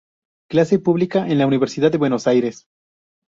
Clase pública en la Universidad de Buenos Aires